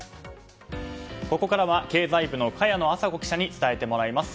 ここからは経済部の茅野朝子記者に伝えてもらいます。